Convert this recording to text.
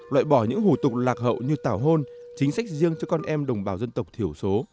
loại bỏ những hủ tục lạc hậu như tảo hôn chính sách riêng cho con em đồng bào dân tộc thiểu số